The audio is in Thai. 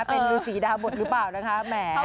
เป็นฤษีดาบทหรือเปล่านะคะแหม